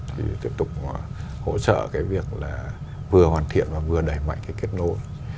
thì tiếp tục hỗ trợ cái việc là vừa hoàn thiện và vừa đẩy mạnh cái kết nối